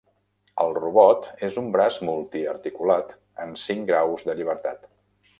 El robot és un braç multiarticulat amb cinc graus de llibertat.